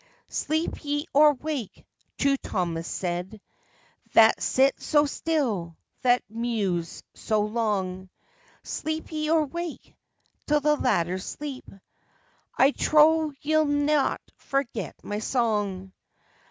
"Sleep ye or wake," True Thomas said, "That sit so still, that muse so long; Sleep ye or wake? till the latter sleep I trow ye'll not forget my song.